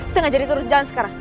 sengaja diturun jalan sekarang